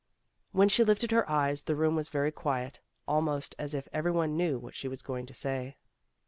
When she lifted her eyes, the room was very quiet, almost as if every one knew what she was going to say.